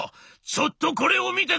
ちょっとこれを見てくれ！」。